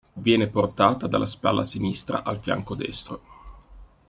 Viene portata dalla spalla sinistra al fianco destro.